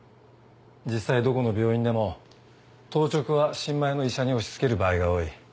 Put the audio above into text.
実際どこの病院でも当直は新米の医者に押し付ける場合が多い。